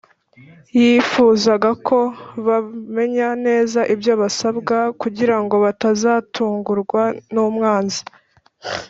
yifuzaga ko bamenya neza ibyo basabwa, kugira ngo batazatungurwa n’umwanzi